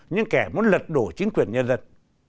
nhưng kẻ muốn lật đổ chính quyền nhân dân